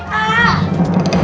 bisa berantem gak